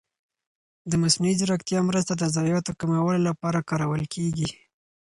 د مصنوعي ځېرکتیا مرسته د ضایعاتو کمولو لپاره کارول کېږي.